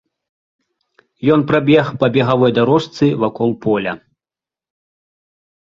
Ён прабег па бегавой дарожцы вакол поля.